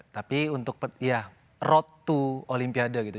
tapi untuk ya road to olimpiade gitu